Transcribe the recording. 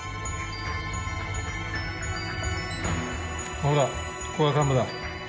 ほらここが患部だ。